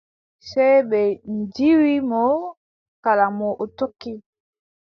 Sey ɓe ndiiwi mo. Kala mo o tokki.